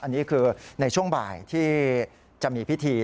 อันนี้คือในช่วงบ่ายที่จะมีพิธี